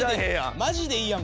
まじでいいやん